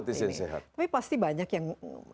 tapi pasti banyak yang